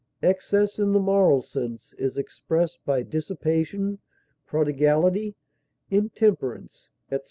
Excess in the moral sense is expressed by dissipation, prodigality, intemperance, etc.